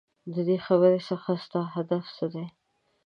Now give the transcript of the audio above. ددې خبرې څخه ستا هدف څه دی ؟؟